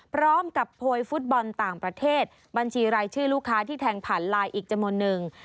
พร้อมกับโพยฟุตบอลต่างประเทศบัญชีรายชื่อลูกค้าที่แทงผ่านไลน์อีกจำนวนนึง